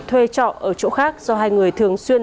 thuê trọ ở chỗ khác do hai người thường xuyên